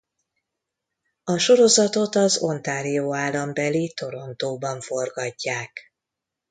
A sorozatot az Ontario állambeli Torontoban forgatják.